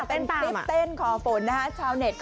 ฝนเทร่งมากเอาเอาหรอพูดต่อแล้วไม่ใช่เททหรอ